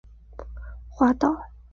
他的脚爪整天都在滑倒